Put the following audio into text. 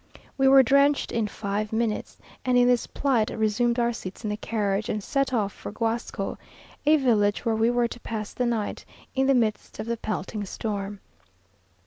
We were drenched in five minutes, and in this plight resumed our seats in the carriage, and set off for Guasco (a village where we were to pass the night) in the midst of the pelting storm.